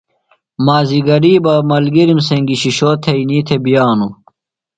مازِگریۡ بہ ملگِرِم سنگیۡ شِشو تھئینی تھےۡ بِیانوۡ۔